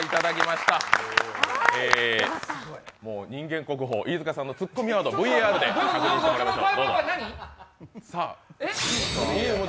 もう人間国宝・飯塚さんのツッコミワードＶＡＲで確認してみましょう。